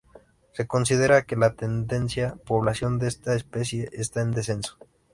Se considera que la tendencia poblacional de esta especie está en descenso.